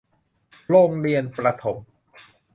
โรงเรียนประถม